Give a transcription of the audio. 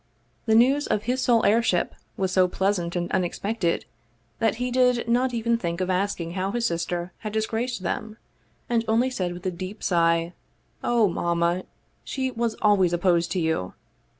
The news of his sole heirship was so pleasant and unexpected that he did not even think of asking how his sister had disgraced them, and only said with a deep sigh: " Oh, mamma, she was always opposed to you.